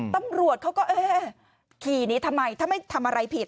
ตำรวจเขาก็เอ๊ะขี่นี้ทำไมถ้าไม่ทำอะไรผิด